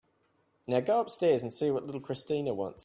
Now go upstairs and see what little Christina wants.